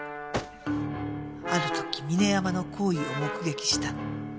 ある時峰山の行為を目撃した。